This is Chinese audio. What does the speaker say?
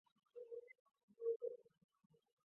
布尼欧人口变化图示